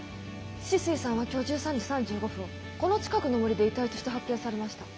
酒々井さんは今日１３時３５分この近くの森で遺体として発見されました。